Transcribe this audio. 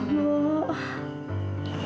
ya allah ma